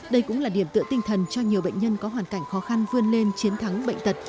đây cũng là điểm tựa tinh thần cho nhiều bệnh nhân có hoàn cảnh khó khăn vươn lên chiến thắng bệnh tật